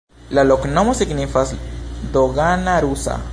La loknomo signifas: dogana-rusa.